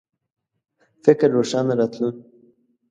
فکر روښانه راتلون